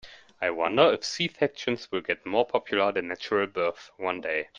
I wonder if C-sections will get more popular than natural births one day.